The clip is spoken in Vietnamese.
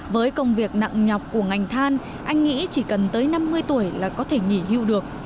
với công việc nặng nhọc của ngành than anh nghĩ chỉ cần tới năm mươi tuổi là có thể nghỉ hưu được